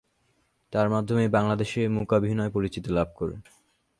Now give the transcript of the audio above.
তার মাধ্যমেই বাংলাদেশে মূকাভিনয় পরিচিতি লাভ করে।